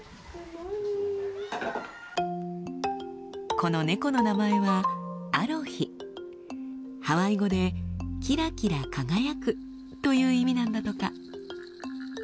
この猫の名前はハワイ語で「キラキラ輝く」という意味なんだとか。